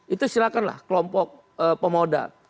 itu silakanlah kelompok pemodal